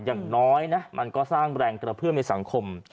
อย่างน้อยนะมันก็สร้างแรงกระเพื่อมในสังคม